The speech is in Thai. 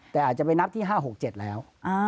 แต่อาจจะไปนับที่๕๖๗แล้ว